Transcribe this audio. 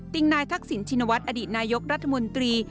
ติ่งนายทักษิญชินวัสอนรัฐมนตรี